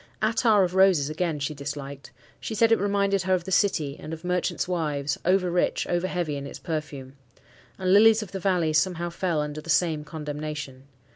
Attar of roses, again, she disliked. She said it reminded her of the city and of merchants' wives, over rich, over heavy in its perfume. And lilies of the valley somehow fell under the same condemnation.